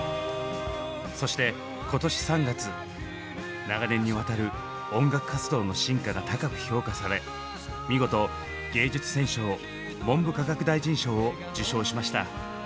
そして今年３月長年にわたる音楽活動の進化が高く評価され見事芸術選奨文部科学大臣賞を受賞しました。